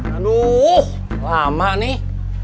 aduh lama nih